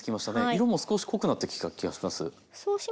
色も少し濃くなってきた気がします。